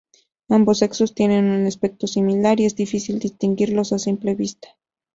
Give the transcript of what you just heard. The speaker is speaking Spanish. Ambos sexos tienen un aspecto similar y es difícil distinguirlos a simple vista.